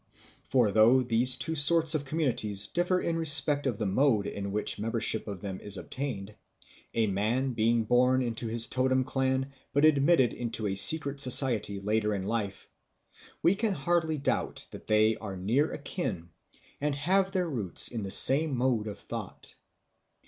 For though these two sorts of communities differ in respect of the mode in which membership of them is obtained a man being born into his totem clan but admitted into a secret society later in life we can hardly doubt that they are near akin and have their root in the same mode of thought.